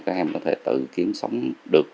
các em có thể tự kiếm sống được